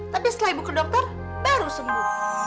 tapi setelah ibu ke dokter baru sembuh